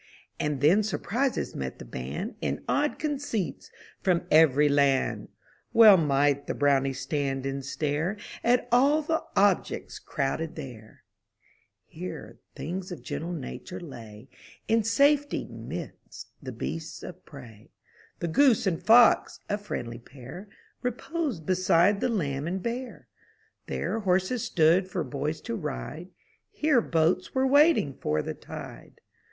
And then surprises met the band. In odd conceits from every land. Well might the Brownies stand and stare At all the objects crowded there! MY BOOK HOUSE Here, things of gentle nature lay In safety, midst the beasts of prey; The goose and fox, a friendly pair, Reposed beside the lamb and bear; There horses stood for boys to ride; Here boats were waiting for the tide.